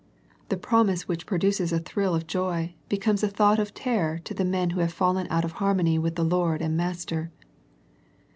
The promise which produces a thrill of joy, be comes a thought of terror to the men who have fallen out of harmony with the Lord and Master.